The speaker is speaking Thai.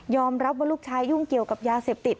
รับว่าลูกชายยุ่งเกี่ยวกับยาเสพติด